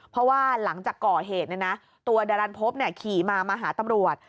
เพราะว่าหลังจากก่อเหตุเนี่ยนะตัวดารันพบเนี่ยขี่มามาหาตำรวจ